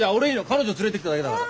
彼女連れてきただけだから。